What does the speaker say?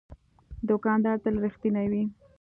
دوکاندار تل رښتینی وي.